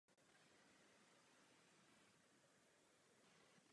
Zaměřím se na dvě otázky.